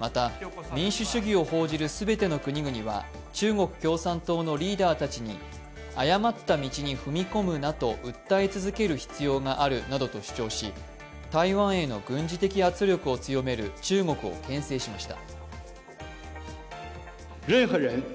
また、民主主義を奉じる全ての国々は中国共産党のリーダーたちに誤った道に踏み込むなと訴え続ける必要があるとし、台湾への軍事的圧力を強める中国をけん制しました。